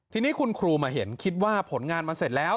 ทีนี้คุณครูมาเห็นคิดว่าผลงานมันเสร็จแล้ว